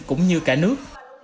cho cả nước